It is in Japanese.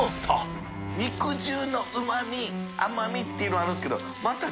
肉汁のうま味甘みていうのはあるんですけど。